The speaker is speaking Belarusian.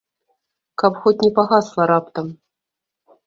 Каб хоць не пагасла раптам.